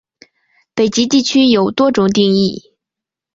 北极地区有多种定义。